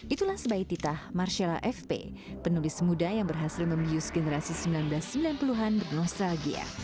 itulah sebaitita marcella fp penulis muda yang berhasil membius generasi seribu sembilan ratus sembilan puluh an bernostalgia